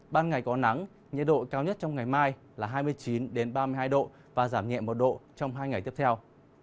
ban ngày có nắng nhiệt độ cao nhất trong ngày mai là hai mươi chín ba mươi hai độ và giảm nhẹ một độ trong hai ngày tiếp theo